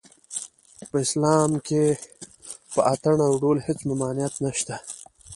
په اسلام کې په اټن او ډول هېڅ ممانعت نشته